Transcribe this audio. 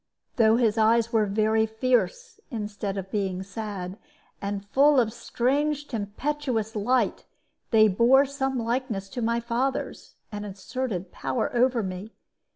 Though his eyes were fierce (instead of being sad) and full of strange tempestuous light, they bore some likeness to my father's, and asserted power over me.